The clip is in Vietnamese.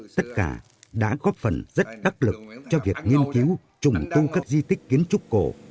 tất cả đã góp phần rất đắc lực cho việc nghiên cứu trùng tu các di tích kiến trúc cổ